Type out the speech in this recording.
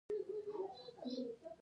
ځکه چې دوی ریښتیني دي.